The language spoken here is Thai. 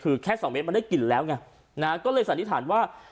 คือแค่สองเมตรมันได้กลิ่นแล้วไงนะฮะก็เลยสันนิษฐานว่า